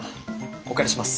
お借りします。